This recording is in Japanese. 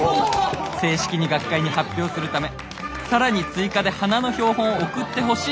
「正式に学会に発表するため更に追加で花の標本を送ってほしいとのことでした。